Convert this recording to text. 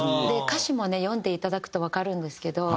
歌詞もね読んでいただくとわかるんですけど。